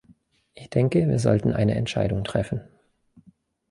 Ich denke, wir sollten eine Entscheidung treffen.